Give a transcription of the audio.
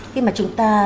khi mà chúng ta